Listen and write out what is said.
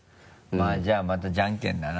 じゃあまたじゃんけんだな。